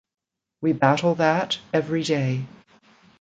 we battle that every day